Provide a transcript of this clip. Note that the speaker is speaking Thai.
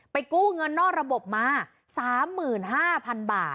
กู้เงินนอกระบบมา๓๕๐๐๐บาท